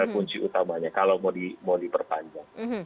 kunci utamanya kalau mau diperpanjang